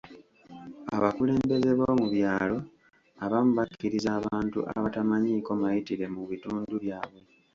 Abakulembeze b'omu byalo abamu bakkiriza abantu abatamanyiiko mayitire mu bitundu byabwe.